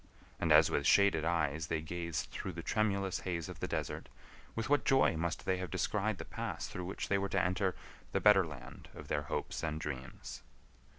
And as with shaded eyes they gazed through the tremulous haze of the desert, with what joy must they have descried the pass through which they were to enter the better land of their hopes and dreams!